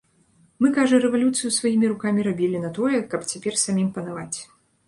Мы, кажа, рэвалюцыю сваімі рукамі рабілі на тое, каб цяпер самім панаваць.